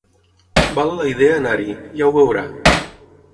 Val la idea anar-hi, ja ho veurà.